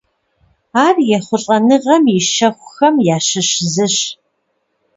Ар ехъулӀэныгъэм и щэхухэм ящыщ зыщ.